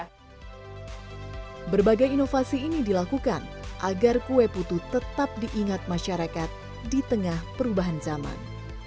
berbagai inovasi ini dilakukan agar kue putu tetap diingat masyarakat di tengah perubahan zaman